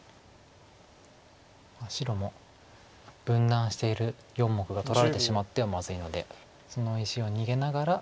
白も分断している４目が取られてしまってはまずいのでその石を逃げながら。